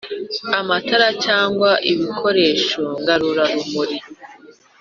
Amatara cyangwa ibikoresho ngarura-rumuri